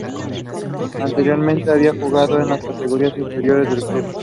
Anteriormente, había jugado en las categorías inferiores del club.